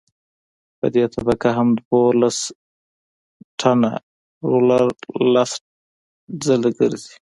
په دې طبقه هم دولس ټنه رولر لس ځله ګرځي